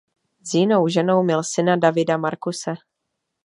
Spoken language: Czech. S jinou ženou měl syna Davida Marcuse.